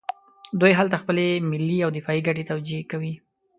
دوی هلته خپلې ملي او دفاعي ګټې توجیه کوي.